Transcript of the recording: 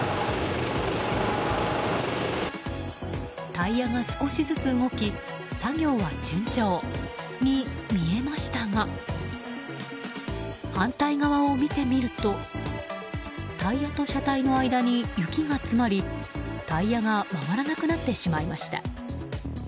タイヤが少しずつ動き作業は順調に見えましたが反対側を見てみるとタイヤと車体の間に雪が詰まりタイヤが回らなくなってしまいました。